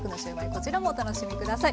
こちらもお楽しみ下さい。